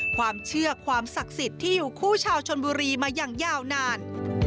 ความเชื่อความศักดิ์สิทธิ์ที่อยู่คู่ชาวชนบุรีมาอย่างยาวนาน